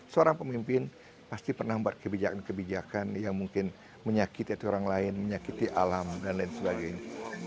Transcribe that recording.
seorang pemimpin pasti pernah membuat kebijakan kebijakan yang mungkin menyakiti orang lain menyakiti alam dan lain sebagainya